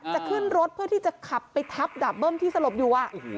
จะขึ้นรถเพื่อที่จะขับไปทับดาบเบิ้มที่สลบอยู่